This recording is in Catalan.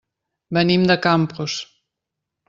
Venim de Campos.